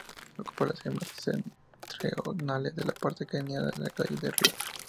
Ocupa las áreas más septentrionales de la parte keniana del valle del Rift.